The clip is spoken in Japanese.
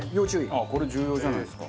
これ重要じゃないですか。